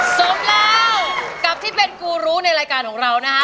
สมแล้วกับที่เป็นกูรู้ในรายการของเรานะฮะ